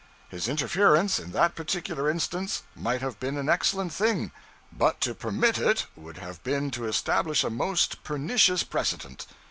His interference, in that particular instance, might have been an excellent thing, but to permit it would have been to establish a most pernicious precedent.